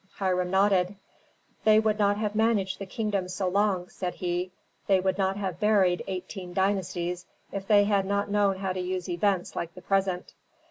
Hiram nodded. "They would not have managed the kingdom so long," said he, "they would not have buried eighteen dynasties if they had not known how to use events like the present."